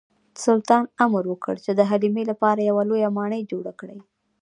سلطان امر وکړ چې د حلیمې لپاره یوه لویه ماڼۍ جوړه کړي.